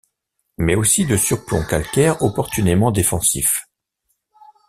Mais aussi de surplombs calcaires opportunément défensifs.